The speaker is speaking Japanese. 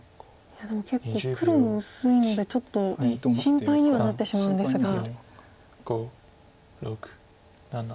いやでも結構黒も薄いのでちょっと心配にはなってしまうんですが。